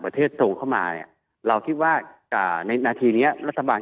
ตรงเข้ามาเนี่ยเราคิดว่าอ่าในนาทีเนี้ยรัฐบาล